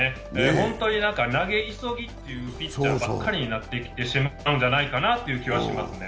本当に投げ急ぎというピッチャーばっかりになってしまうんじゃないかという気がしますね。